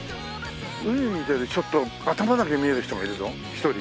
海見てるちょっと頭だけ見える人がいるぞ１人。